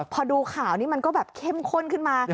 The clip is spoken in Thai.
พอดูข่าวนี้มันก็แบบเข้มข้นขึ้นมา